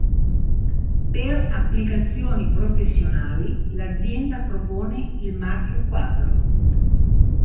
Per applicazioni professionali, l'azienda propone il marchio Quadro.